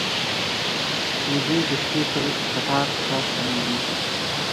وزې د شپې پر کټار ته ستنېږي